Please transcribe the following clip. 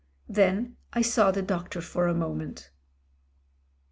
Then I saw the doctor for a moment.